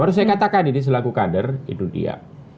harus saya katakan ini selaku kader itu dia